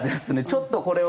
ちょっとこれを。